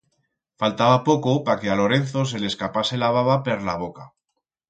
Faltaba poco pa que a Lorenzo se le escapase la baba per la boca.